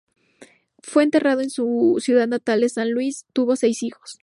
Fue enterrado en su ciudad natal de San Luis; tuvo seis hijos.